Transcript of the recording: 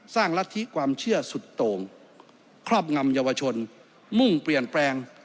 รัฐธิความเชื่อสุดโต่งครอบงำเยาวชนมุ่งเปลี่ยนแปลง